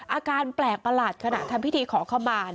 อาการแปลกประหลาดขณะทำพิธีขอขมา